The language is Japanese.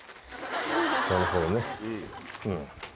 なるほどね。